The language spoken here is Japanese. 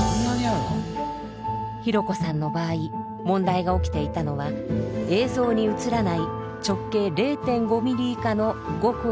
ひろこさんの場合問題が起きていたのは映像に映らない直径０．５ｍｍ以下のごく細い血管です。